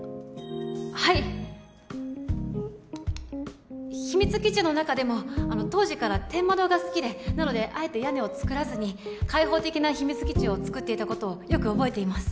はい秘密基地の中でも当時から天窓が好きでなのであえて屋根を作らずに開放的な秘密基地を作っていたことをよく覚えています